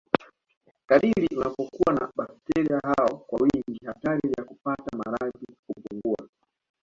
kadiri unapokuwa na bakteria hao kwa wingi hatari ya kupata maradhi hupungua